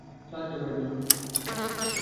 সাহায্য করার জন্য।